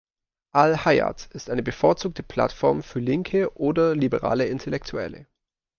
Al-Hayat ist eine bevorzugte Plattform für linke oder liberale Intellektuelle.